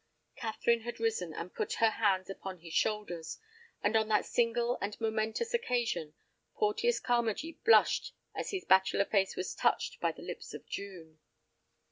Catherine had risen, and had put her hands upon his shoulders. And on that single and momentous occasion, Porteus Carmagee blushed as his bachelor face was touched by the lips of June.